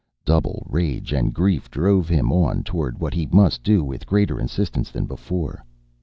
Double rage and grief drove him on toward what he must do with greater insistence than before.